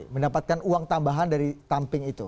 mendapatkan uang tambahan dari tamping itu